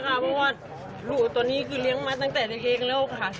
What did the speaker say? เพราะว่าลูกตอนนี้คือเลี้ยงมาตั้งแต่เล็กแล้วค่ะ